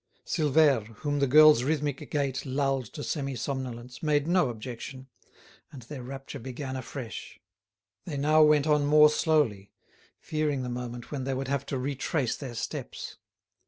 Silvère, whom the girl's rhythmic gait lulled to semi somnolence, made no objection, and their rapture began afresh. They now went on more slowly, fearing the moment when they would have to retrace their steps.